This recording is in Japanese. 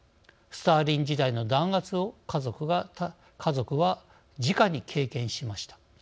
スターリン時代の弾圧を家族はじかに経験しました。